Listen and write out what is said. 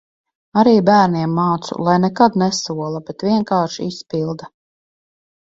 Arī bērniem mācu, lai nekad nesola, bet vienkārši izpilda.